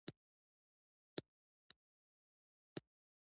په بل عبارت، کږه خوله سوک سموي.